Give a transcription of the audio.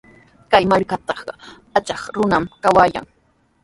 Kay markatrawqa achkaq runami kawayan.